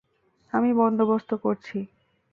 আমি বন্দোবস্ত করছি।